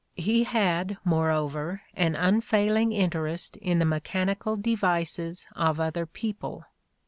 He had, moreover, an un failing interest in the mechanical devices of other peo ple.